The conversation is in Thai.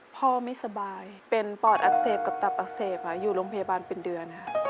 ไม่สบายเป็นปอดอักเสบกับตับอักเสบอยู่โรงพยาบาลเป็นเดือนค่ะ